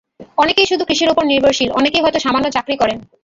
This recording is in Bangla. অনেকেই শুধু কৃষির ওপর নির্ভরশীল, অনেকেই হয়তো সামান্য চাকরি করেন।